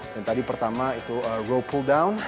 yang tadi pertama itu row pull down